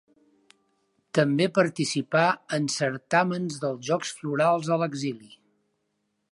També participà en certàmens dels Jocs Florals a l'exili.